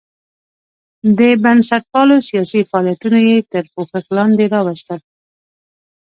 د بنسټپالو سیاسي فعالیتونه یې تر پوښښ لاندې راوستل.